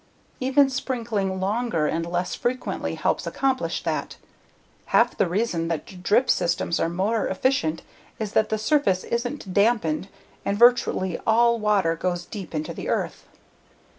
Even sprinkling longer and less frequently helps accomplish that. Half the reason that drip systems are more efficient is that the surface isn't dampened and virtually all water goes deep into the earth.